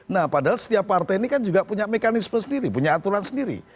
nah padahal setiap partai ini kan juga punya mekanisme sendiri punya aturan sendiri